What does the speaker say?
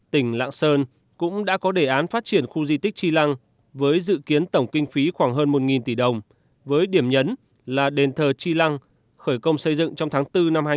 tỉnh lạng sơn cũng đã có đề án phát triển khu di tích tri lăng với dự kiến tổng kinh phí khoảng hơn một tỷ đồng với điểm nhấn là đền thờ tri lăng khởi công xây dựng trong tháng bốn năm hai nghìn hai mươi